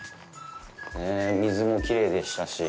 水もきれいでしたし